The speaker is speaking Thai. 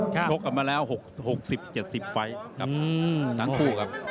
ชกกันมาแล้ว๖๐๗๐ไฟล์ครับทั้งคู่ครับ